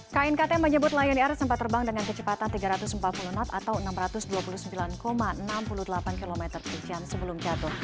knkt menyebut lion air sempat terbang dengan kecepatan tiga ratus empat puluh knot atau enam ratus dua puluh sembilan enam puluh delapan km per jam sebelum jatuh